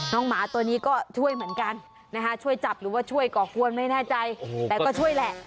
หมาตัวนี้ก็ช่วยเหมือนกันนะคะช่วยจับหรือว่าช่วยก่อกวนไม่แน่ใจแต่ก็ช่วยแหละ